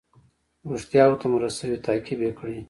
ریښتیاوو ته مو رسوي تعقیب یې کړئ.